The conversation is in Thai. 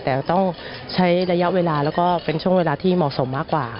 แต่ต้องใช้ระยะเวลาแล้วก็เป็นช่วงเวลาที่เหมาะสมมากกว่า